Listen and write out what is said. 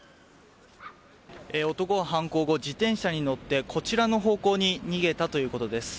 男は犯行後、自転車に乗ってこちらの方向に逃げたということです。